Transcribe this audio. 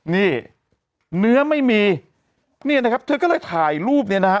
นี่เนื้อไม่มีเนี่ยนะครับเธอก็เลยถ่ายรูปเนี่ยนะฮะ